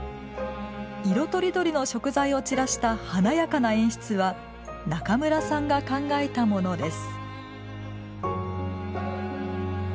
色とりどりの食材をちらした華やかな演出は中村さんが考えたものです。